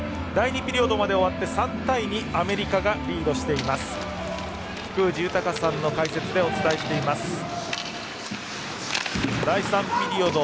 第２ピリオドまで終わって３対２アメリカがリードしています。